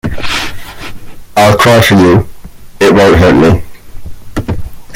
I'll cry for you; it won't hurt me.